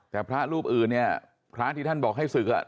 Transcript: แต่พระรูปอื่นเนี่ยพระที่ท่านบอกให้ศึกอ่ะ